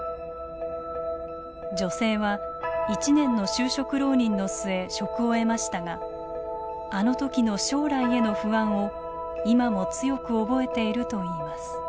女性は１年の就職浪人の末職を得ましたがあのときの将来への不安を今も強く覚えているといいます。